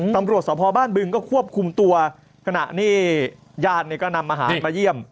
ตำรวจสภบ้านบึงก็ควบคุมตัวขณะนี้ญาติเนี่ยก็นำอาหารมาเยี่ยม